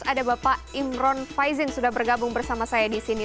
ada bapak imron faizin sudah bergabung bersama saya disini